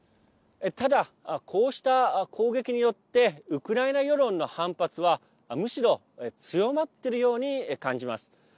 ただ、こうした攻撃によってウクライナ世論の反発はむしろ強まっているように感じます。